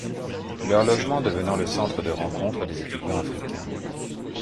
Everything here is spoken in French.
Leur logement devenant le centre de rencontre des étudiants africains.